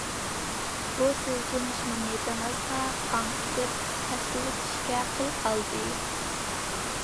بۇ سىلكىنىش مېنى دېڭىزغا قاڭقىتىپ تاشلىۋېتىشكە قىل قالدى.